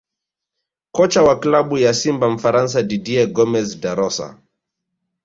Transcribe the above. Kocha wa klabu ya Simba Mfaransa Didier Gomes Da Rosa